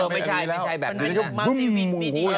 ไม่ใช่แบบนั้น